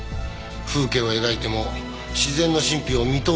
風景を描いても自然の神秘を見通そうとしない。